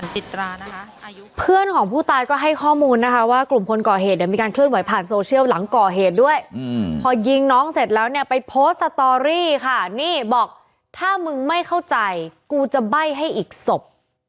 ติดตรานะคะเพื่อนของผู้ตายก็ให้ข้อมูลนะคะว่ากลุ่มคนก่อเหตุเนี่ยมีการเคลื่อนไหวผ่านโซเชียลหลังก่อเหตุด้วยพอยิงน้องเสร็จแล้วเนี่ยไปโพสต์สตอรี่ค่ะนี่บอกถ้ามึงไม่เข้าใจกูจะใบ้ให้อีกศพ